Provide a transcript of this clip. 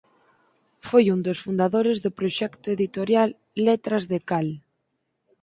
Foi un dos fundadores do proxecto editorial Letras de Cal.